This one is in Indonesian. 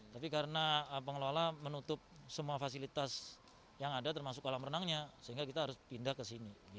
tapi karena pengelola menutup semua fasilitas yang ada termasuk kolam renangnya sehingga kita harus pindah ke sini